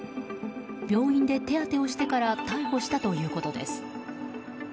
病院で手当てをしてから逮捕したということです。